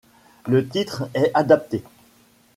Le titre est adapté.